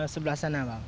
sebelah sana bang